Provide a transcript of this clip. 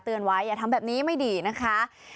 ไว้อย่าทำแบบนี้ไม่ดีนะคะ